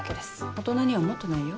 大人にはもっとないよ。